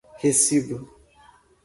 recibo